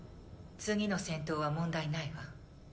次の戦闘は問題ないわ。